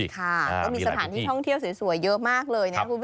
ก็มีสถานที่ท่องเที่ยวสวยเยอะมากเลยนะครับ